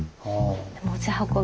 持ち運び。